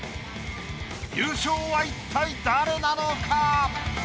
優勝は一体誰なのか？